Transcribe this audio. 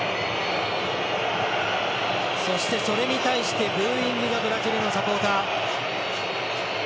そしてそれに対してブーイングがブラジルのサポーター。